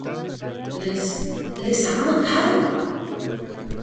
les... les han matado .